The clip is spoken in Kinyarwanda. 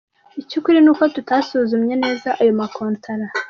"Ic'ukuri nuko tutasuzumye neza ayo makontara.